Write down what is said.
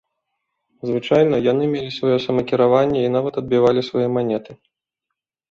Звычайна, яны мелі сваё самакіраванне і нават адбівалі свае манеты.